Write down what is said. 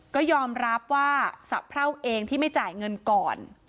ก็ยอมรับว่าสะเพราเองที่ไม่จ่ายเงินก่อน